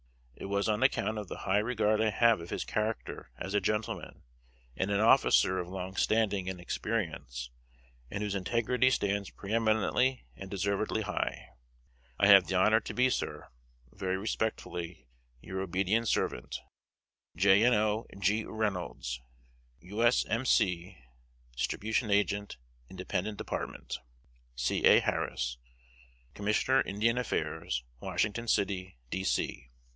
It was on account of the high regard I have of his character as a gentleman, and an officer of long standing and experience, and whose integrity stands preeminently and deservedly high. "I have the honor to be, sir, very respectfully, Your obd't servant, JNO. G. REYNOLDS, U. S. M. C. Disb. Agent, Ind. Dep't. C. A. HARRIS, Com. Ind. Affairs, Washington City, D. C."